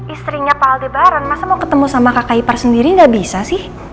istrinya pak aldebaran masa mau ketemu sama kakai par sendiri gak bisa sih